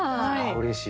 うれしい。